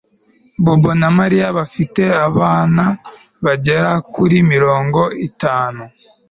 Bobo na Mariya bafite abana bagera kuri mirongo itanu